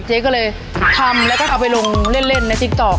เจ๊ก็เลยทำแล้วไปลงเล่นใส่คโต๊ะ